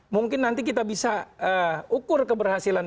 mungkin nanti kita bisa ukur keberhasilan